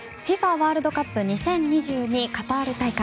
ワールドカップ２０２２カタール大会。